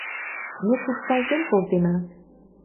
Ме кушталтен колтена.